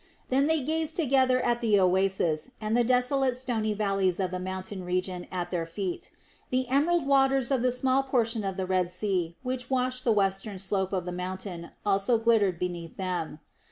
Then they gazed together at the oasis and the desolate stony valleys of the mountain region at their feet. The emerald waters of a small portion of the Red Sea, which washed the western slope of the mountain, also glittered beneath them.